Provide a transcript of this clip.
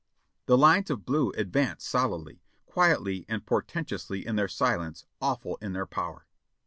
The lines of blue advanced solidly, quietly and portentously in their silence, awful in their power.